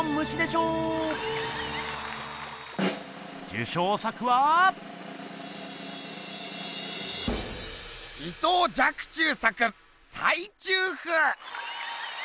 受賞作は⁉伊藤若冲作「菜蟲譜」！